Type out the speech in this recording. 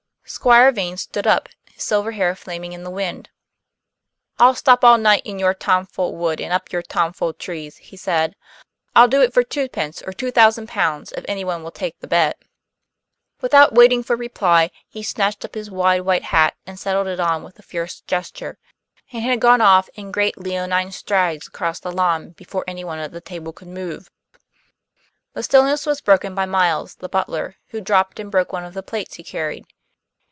Squire Vane stood up, his silver hair flaming in the wind. "I'll stop all night in your tomfool wood and up your tomfool trees," he said. "I'll do it for twopence or two thousand pounds, if anyone will take the bet." Without waiting for reply, he snatched up his wide white hat and settled it on with a fierce gesture, and had gone off in great leonine strides across the lawn before anyone at the table could move. The stillness was broken by Miles, the butler, who dropped and broke one of the plates he carried.